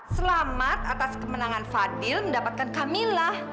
selamat atas kemenangan fadil mendapatkan kamilah